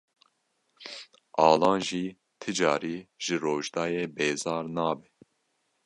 Alan jî ti carî ji Rojdayê bêzar nabe.